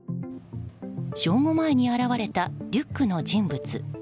正午前に現れたリュックの人物。